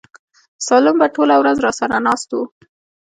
سالم به ټوله ورځ راسره ناست و.